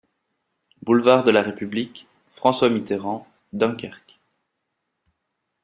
Boulevard de la République - François Mitterrand, Dunkerque